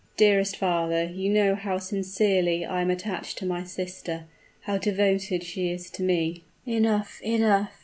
"Dearest father, you know how sincerely I am attached to my sister how devoted she is to me " "Enough, enough!"